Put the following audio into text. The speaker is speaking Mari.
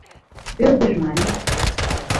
Ӧрдыж марий.